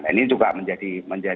nah ini juga menjadi